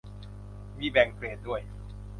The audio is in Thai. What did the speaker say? มีแบ่งเกรดด้วย